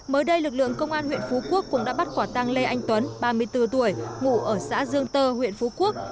mới đây lực lượng công an huyện phú quốc cũng đã bắt quả tăng lê anh tuấn ba mươi bốn tuổi ngụ ở xã dương tơ huyện phú quốc